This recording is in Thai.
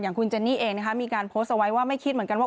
คุณเจนนี่เองนะคะมีการโพสต์เอาไว้ว่าไม่คิดเหมือนกันว่า